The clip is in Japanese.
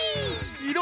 いろ